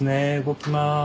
動きます。